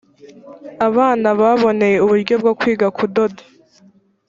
abana babonewe uburyo bwo kwiga kudoda